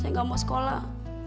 saya gak mau sekolah